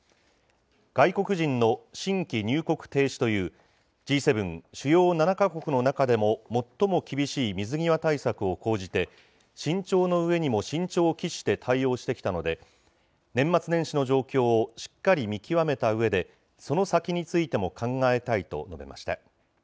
外国人の新規入国停止という、Ｇ７・主要７か国の中でも最も厳しい水際対策を講じて、慎重の上にも慎重を期して対応してきたので、年末年始の状況をしっかり見極めたうえで、その先についても考えたいと述べました。